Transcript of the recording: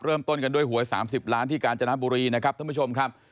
เริ่มต้นกันด้วยหวย๓๐ล้านที่กาญจนบุรีนะครับท่านผู้ชมครับ